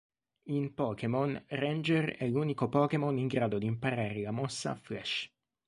In Pokémon Ranger è l'unico Pokémon in grado di imparare la mossa Flash.